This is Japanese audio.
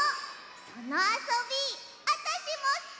そのあそびあたしもすき！